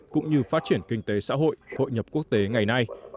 cũng như phát triển kinh tế xã hội hội nhập quốc tế ngày nay